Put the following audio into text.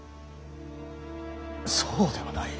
そうではない。